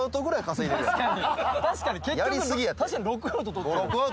確かに６アウトとった。